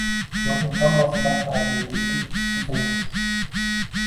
lekin hammasi bir qaragandagidek oson emas.